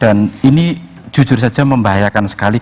dan ini jujur saja membahayakan sekali